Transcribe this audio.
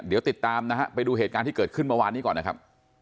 เดี๋ยวติดตามนะฮะไปดูเหตุการณ์ที่เกิดขึ้นเมื่อวานนี้ก่อนนะครับ